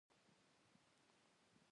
آیا دوی ډاکټرانو ته ډیر معاش نه ورکوي؟